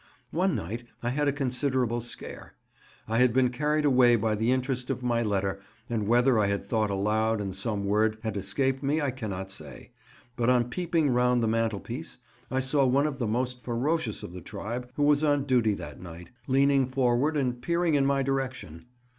One night I had a considerable scare. I had been carried away by the interest of my letter, and whether I had thought aloud and some word had escaped me I cannot say, but on peeping round the mantelpiece I saw one of the most ferocious of the tribe—who was on duty that night—leaning forward and peering in my direction.